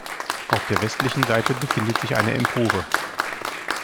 Auf der westlichen Seite befindet sich eine Empore.